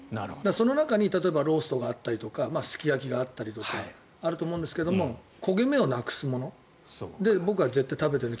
その中に例えばローストがあったりとかすき焼きがあったりとかあると思うんですが焦げ目をなくすもので僕は絶対に食べてる。